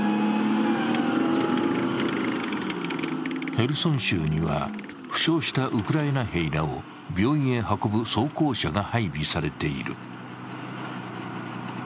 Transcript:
ヘルソン州には、負傷したウクライナ兵らを病院へ運ぶ装甲車が配備されている。